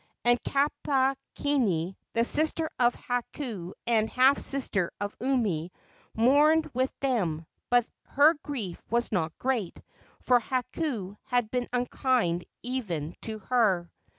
And Kapukini, the sister of Hakau and half sister of Umi, mourned with them; but her grief was not great, for Hakau had been unkind even to her.